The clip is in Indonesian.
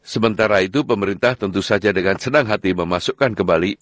sementara itu pemerintah tentu saja dengan senang hati memasukkan kembali